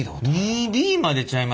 ２Ｂまでちゃいます？